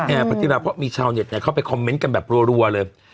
พระธิราเพราะมีชาวเน็ตเข้าไปคอมเมนต์กันแบบรัวเลย